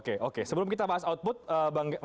oke oke sebelum kita bahas output bang gembong